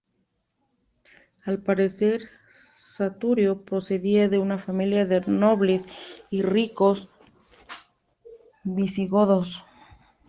Al parecer, Saturio procedía de una familia de nobles y ricos visigodos.